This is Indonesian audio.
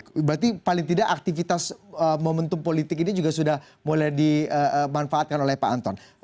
berarti paling tidak aktivitas momentum politik ini juga sudah mulai dimanfaatkan oleh pak anton